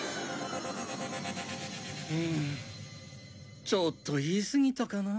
うんちょっと言いすぎたかな？